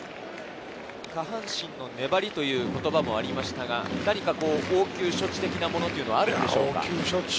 下半身の粘りという言葉もありましたが、応急処置的なものはあるんですか？